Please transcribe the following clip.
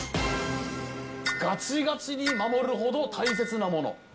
ガチガチに守るほど大切なもの。